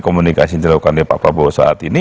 komunikasi yang dilakukan oleh pak prabowo saat ini